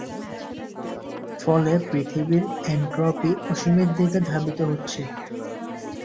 ফলে পৃথিবীর এনট্রপি অসীমের দিকে ধাবিত হচ্ছে।